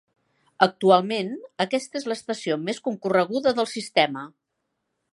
Actualment, aquesta és l'estació més concorreguda del sistema.